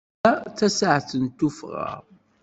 Ta d tasaɛet n tuffɣa.